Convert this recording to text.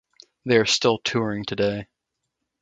They are still touring today.